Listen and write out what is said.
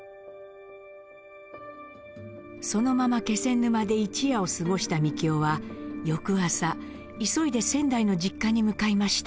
そのまま気仙沼で一夜を過ごしたみきおは翌朝急いで仙台の実家に向かいました。